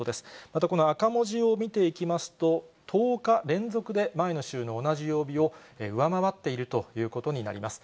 またこの赤文字を見ていきますと、１０日連続で前の週の同じ曜日を上回っているということになります。